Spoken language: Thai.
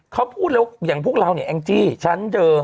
เขาพูดแล้วอย่างพวกเราเนี่ยแองจี้ฉันเจอ